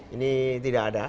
ini tidak ada